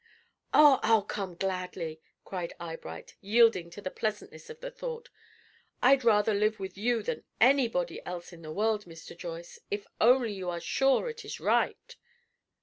"Oh, I'll come gladly!" cried Eyebright, yielding to the pleasantness of the thought. "I'd rather live with you than anybody else in the world, Mr. Joyce, if only you are sure it is right."